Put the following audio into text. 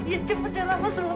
ya cepat ratu